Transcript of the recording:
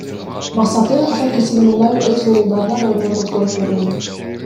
Максаты — ата кесибин улай өз уулдарына да өнөрүн өткөрүп берүү.